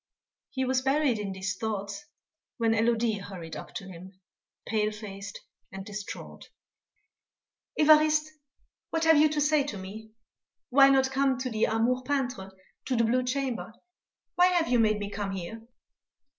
He was buried in these thoughts when Élodie hurried up to him, pale faced and distraught: "Évariste, what have you to say to me? Why not come to the Amour peintre to the blue chamber? Why have you made me come here?"